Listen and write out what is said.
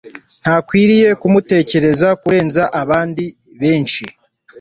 ntakwiriye kumutekereza kurenza abandi benshi